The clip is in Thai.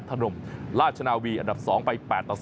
นมราชนาวีอันดับ๒ไป๘ต่อ๒